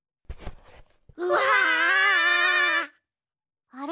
うわ！あれ？